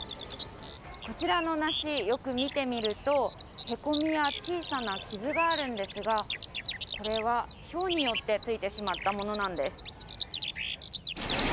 こちらの梨、よく見てみるとへこみや小さな傷があるんですが、これはひょうによってついてしまったものなんです。